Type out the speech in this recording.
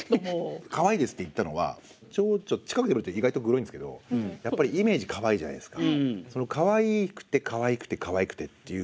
「かわいいです」って言ったのは蝶々近くで見ると意外とグロいんですけどやっぱりイメージかわいいじゃないですか。